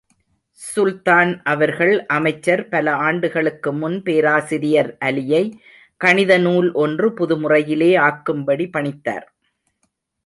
சுல்தான் அவர்களின் அமைச்சர், பல ஆண்டுகளுக்கு முன், பேராசிரியர் அலியை, கணிதநூல் ஒன்று, புது முறையிலே ஆக்கும்படி பணித்தார்.